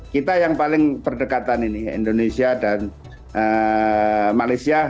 kita yang paling berdekatan ini indonesia dan malaysia